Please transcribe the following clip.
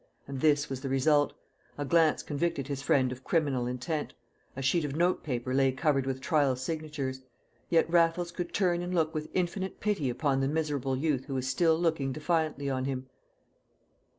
And this was the result. A glance convicted his friend of criminal intent: a sheet of notepaper lay covered with trial signatures. Yet Raffles could turn and look with infinite pity upon the miserable youth who was still looking defiantly on him.